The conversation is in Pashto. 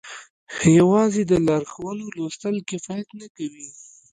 يوازې د لارښوونو لوستل کفايت نه کوي.